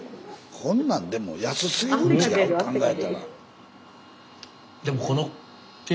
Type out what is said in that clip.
こんなんでも安すぎるん違う？